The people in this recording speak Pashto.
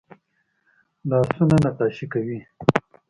لاسونه نقاشي کوي